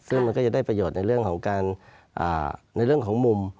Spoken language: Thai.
ซึ่งมันก็จะได้ประโยชน์ในเรื่องของการในเรื่องของมุม